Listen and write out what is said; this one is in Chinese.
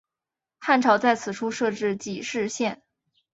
汉朝在此处设置己氏县。